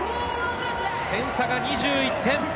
点差が２１点。